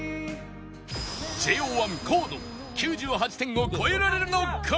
ＪＯ１ 河野９８点を超えられるのか？